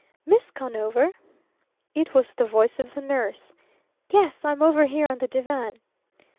"Miss Conover?" It was the voice of the nurse. "Yes. I'm over here on the divan."